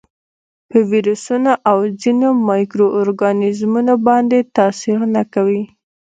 په ویروسونو او ځینو مایکرو ارګانیزمونو باندې تاثیر نه کوي.